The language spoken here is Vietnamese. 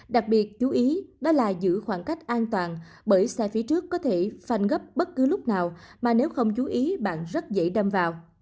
đặc biệt chú ý đó là giữ khoảng cách an toàn bởi xe phía trước có thể phanh gấp bất cứ lúc nào mà nếu không chú ý bạn rất dễ đâm vào